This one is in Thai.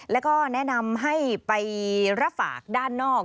แล้วก็แนะนำให้ไปรับฝากด้านนอก